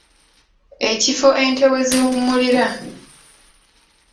Ekifo ente we ziwummulira.